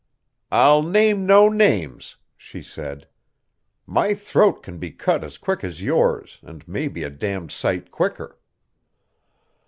"I'll name no names," she said. "My throat can be cut as quick as yours, and maybe a damned sight quicker."